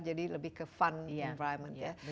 jadi lebih ke fun environment ya